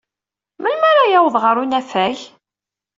Melmi ara yaweḍ ɣer unafag?